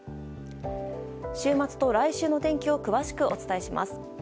週末と来週の天気を詳しくお伝えします。